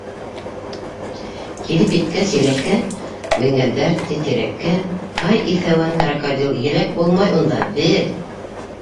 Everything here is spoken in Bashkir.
Килеп еткәс еләккә Менгәндәр, ти, тирәккә, Һай иҫәуән крокодил, Еләк булмай унда, бел!